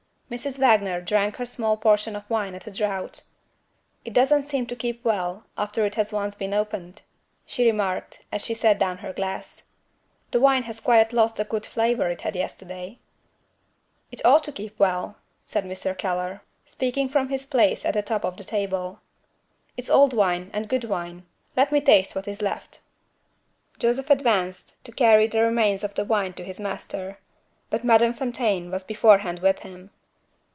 Mrs. Wagner drank her small portion of wine at a draught. "It doesn't seem to keep well, after it has once been opened," she remarked, as she set down her glass. "The wine has quite lost the good flavor it had yesterday." "It ought to keep well," said Mr. Keller, speaking from his place at the top of the table. "It's old wine, and good wine. Let me taste what is left." Joseph advanced to carry the remains of the wine to his master. But Madame Fontaine was beforehand with him.